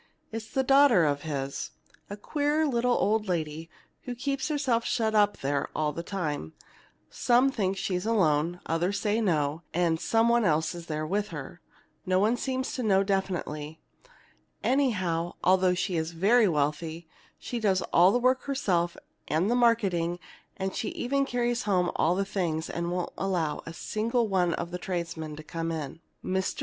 It's a daughter of his, a queer little old lady, who keeps herself shut up there all the time; some think she's alone, others say no, that some one else is there with her. No one seems to know definitely. Anyhow, although she is very wealthy, she does all the work herself, and the marketing; and she even carries home all the things, and won't allow a single one of the tradesmen to come in. "Mr.